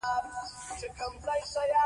د عراق او ایران جګړه هم پیښه شوه.